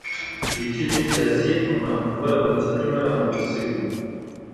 پېچلي سیاسي او ناانډوله بنسټونه رامنځته شوي وي.